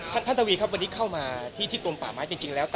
พระทวีครับวันนี้เข้ามาที่ทิตลประมาทจริงแล้ว